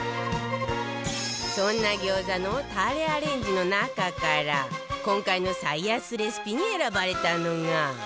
そんな餃子のタレアレンジの中から今回の最安レシピに選ばれたのが